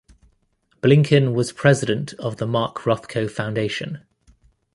Blinken was president of the Mark Rothko Foundation.